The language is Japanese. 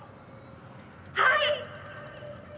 「はい！」